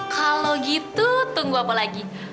kalau gitu tunggu apa lagi